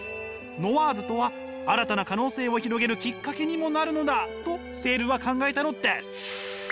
ノワーズとは新たな可能性を広げるきっかけにもなるのだとセールは考えたのです！